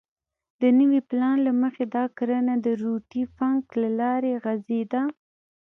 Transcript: د نوي پلان له مخې دا کرښه د روټي فنک له لارې غځېده.